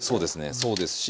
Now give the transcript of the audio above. そうですね。